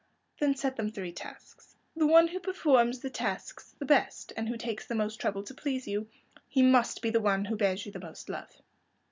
"Then set them three tasks. The one who performs the tasks the best, and who takes the most trouble to please you,—he must be the one who bears you the most love."